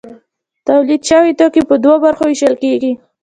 تولید شوي توکي په دوو برخو ویشل کیږي.